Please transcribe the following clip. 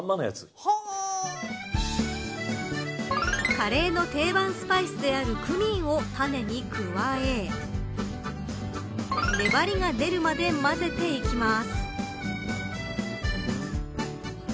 カレーの定番スパイスであるクミンをたねに加え粘りが出るまで混ぜていきます。